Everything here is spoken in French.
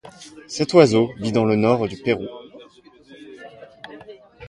Cet oiseau vit dans le nord du Pérou.